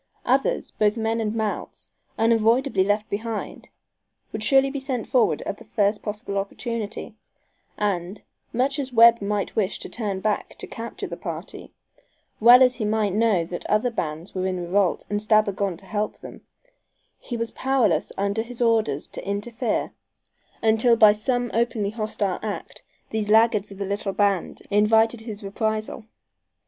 Others, both men and mounts, unavoidably left behind, would surely be sent forward at the first possible opportunity, and, much as Webb might wish to turn back to capture the party, well as he might know that other bands were in revolt and Stabber gone to help them, he was powerless under his orders to interfere until by some openly hostile act these laggards of the little band invited his reprisal.